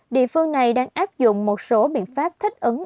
địa phương này đang áp dụng một số biện pháp thích ứng